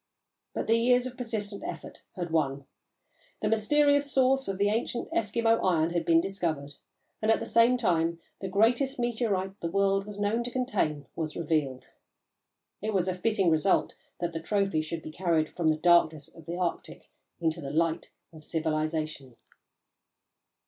But the years of persistent effort had won. The mysterious source of the ancient Eskimo iron had been discovered, and, at the same time, the greatest meteorite the world was known to contain was revealed. It was a fitting result that the trophy should be carried from the darkness of the Arctic into the light of civilisation.